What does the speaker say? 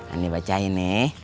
aneh bacain nih